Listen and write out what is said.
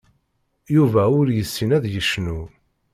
Yuba ur yessin ad yecnu.